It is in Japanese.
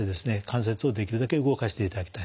関節をできるだけ動かしていただきたい。